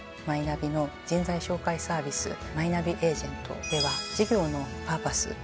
マイナビの人材紹介サービス「マイナビエージェント」では事業のパーパス